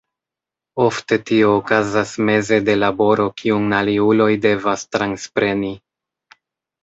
Ofte tio okazas meze de laboro, kiun aliuloj devas transpreni.